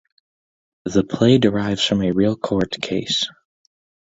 The play derives from a real court case.